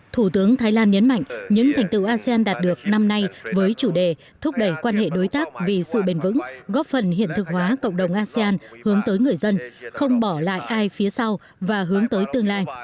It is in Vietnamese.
thủ tướng thái lan nhấn mạnh những thành tựu asean đạt được năm nay với chủ đề thúc đẩy quan hệ đối tác vì sự bền vững góp phần hiện thực hóa cộng đồng asean hướng tới người dân không bỏ lại ai phía sau và hướng tới tương lai